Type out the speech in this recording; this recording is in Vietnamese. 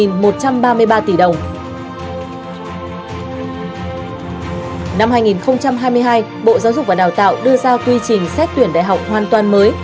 năm hai nghìn hai mươi hai bộ giáo dục và đào tạo đưa ra quy trình xét tuyển đại học hoàn toàn mới